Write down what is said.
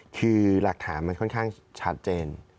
คือหลักฐานมันค่อนข้างชัดเจน